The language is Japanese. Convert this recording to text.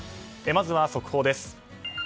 まずは、速報です。